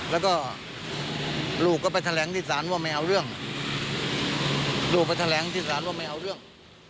แล้วก็ลูกก็ไปแถลงที่ศาลว่าไม่เอาเรื่องลูกไปแถลงที่ศาลว่าไม่เอาเรื่อง